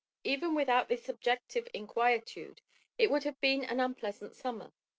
Even without this subjective inquietude it would have been an unpleasant summer.